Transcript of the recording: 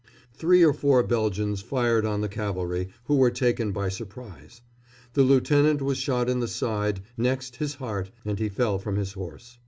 Three or four Belgians fired on the cavalry, who were taken by surprise. The lieutenant was shot in the side, next his heart, and he fell from his horse.